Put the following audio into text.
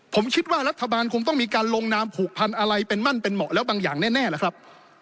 ผมคิดว่ารัฐบาลคงต้องมีการลงนามผูกพันอะไรเป็นมั่นเป็นเหมาะแล้วบางอย่างแน่ล่ะครับ